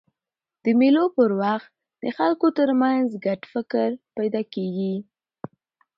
د مېلو پر وخت د خلکو ترمنځ ګډ فکر پیدا کېږي.